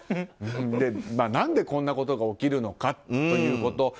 何でこんなことが起きるのかということ。